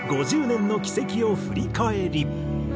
５０年の軌跡を振り返り。